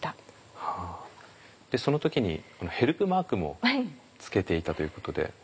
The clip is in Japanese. その時にヘルプマークも付けていたということで。